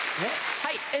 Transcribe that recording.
はい。